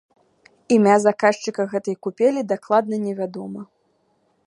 Імя заказчыка гэтай купелі дакладна невядома.